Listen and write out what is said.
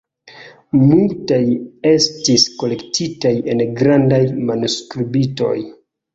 Multaj estis kolektitaj en grandaj manuskriptoj.